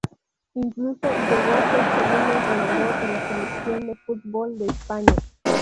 Incluso llegó a ser segundo entrenador de la Selección de fútbol de España.